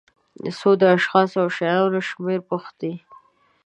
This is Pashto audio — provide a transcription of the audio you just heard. څو د اشخاصو او شیانو شمېر پوښتي.